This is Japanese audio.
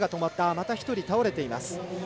また１人倒れています。